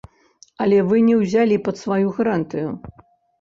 Але вы не ўзялі пад сваю гарантыю.